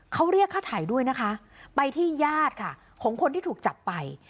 เขาเรียกค่าถ่ายด้วยนะคะไปที่ญาติค่ะของคนที่ถูกจับไป